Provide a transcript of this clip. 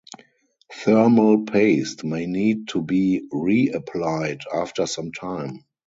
Thermal paste may need to be re-applied after some time.